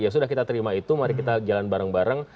ya sudah kita terima itu mari kita jalan bareng bareng